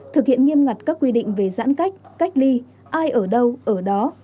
thực hiện nghiêm ngặt các quy định về giãn cách cách ly ai ở đâu ở đó